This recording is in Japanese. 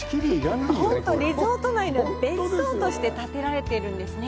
本当にリゾート内の別荘として建てられているんですね。